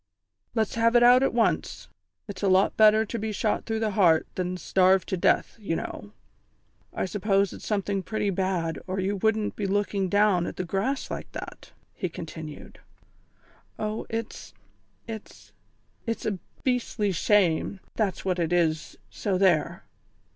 "Let's have it out at once. It's a lot better to be shot through the heart than starved to death, you know. I suppose it's something pretty bad, or you wouldn't be looking down at the grass like that," he continued. "Oh, it's it's it's a beastly shame, that's what it is, so there!"